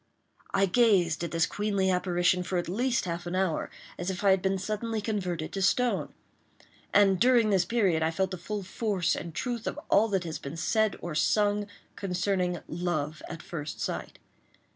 I gazed at this queenly apparition for at least half an hour, as if I had been suddenly converted to stone; and, during this period, I felt the full force and truth of all that has been said or sung concerning "love at first sight."